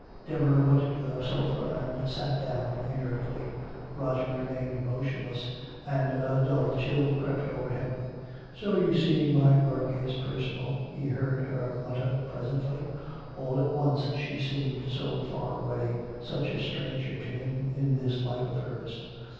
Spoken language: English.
Deborah went to the sofa and sat down inertly. Roger remained motionless, and a dull chill crept over him. "So you see my work is personal," he heard her mutter presently. All at once she seemed so far away, such a stranger to him in this life of hers.